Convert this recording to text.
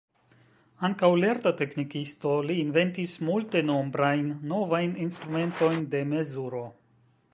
Ankaŭ lerta teknikisto, li inventis multenombrajn novajn instrumentojn de mezuro.